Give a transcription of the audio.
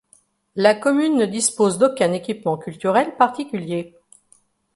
La commune ne dispose d'aucun équipement culturel particulier.